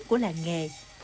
của làng nghề